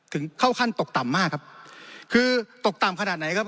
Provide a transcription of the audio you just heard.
ถึงเข้าขั้นตกต่ำมากครับคือตกต่ำขนาดไหนครับ